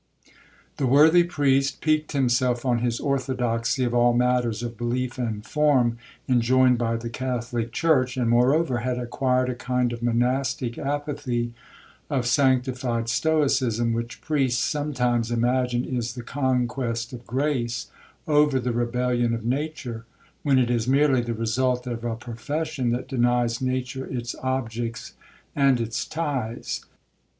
The worthy priest piqued himself on his orthodoxy of all matters of belief and form enjoined by the Catholic church; and, moreover, had acquired a kind of monastic apathy, of sanctified stoicism, which priests sometimes imagine is the conquest of grace over the rebellion of nature, when it is merely the result of a profession that denies nature its objects and its ties.